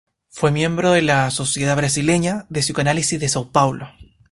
Fue miembro de la Sociedad Brasileña de Psicoanálisis de São Paulo.